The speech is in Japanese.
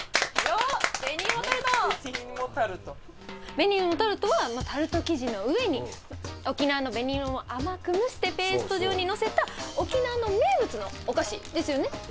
紅芋タルトはタルト生地の上に沖縄の紅芋を甘く蒸してペースト状にのせた沖縄の名物のお菓子ですよね。